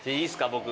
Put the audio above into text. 僕。